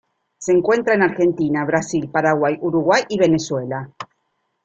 Se encuentra en Argentina, Brasil, Paraguay, Uruguay y Venezuela.